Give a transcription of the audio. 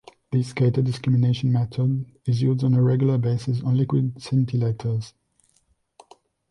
This gated discrimination method is used on a regular basis on liquid scintillators.